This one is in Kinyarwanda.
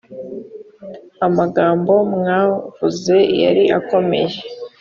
amagambo mwamvuze yari akomeye